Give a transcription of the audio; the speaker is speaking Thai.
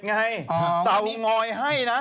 ๗๗ไงอ๋อตาวงอยให้นะ